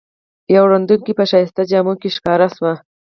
یوه ړندوکۍ په ښایسته جامو کې ښکاره شوه.